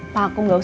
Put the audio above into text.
paku gak usah awas